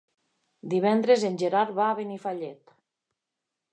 Divendres en Gerard va a Benifallet.